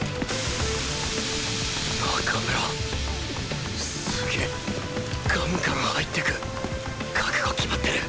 中村スゲガンガン入ってく覚悟キマってる。